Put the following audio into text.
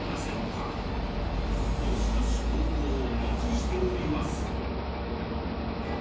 どしどし投稿をお待ちしております。